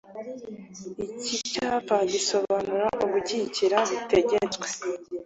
Iki cyapa gisobanura Ugukikira bitegetswe